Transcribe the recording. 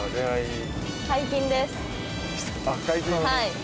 はい。